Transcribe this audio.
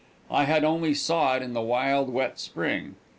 I had only saw it in the wild, wet spring.